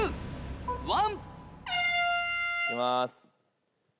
いきます。